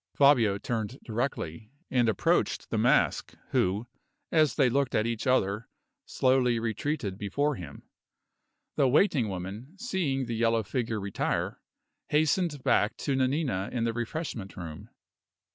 Fabio turned directly, and approached the Mask, who, as they looked at each other, slowly retreated before him. The waiting woman, seeing the yellow figure retire, hastened back to Nanina in the refreshment room.